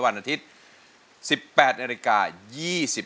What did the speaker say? สวัสดีครับ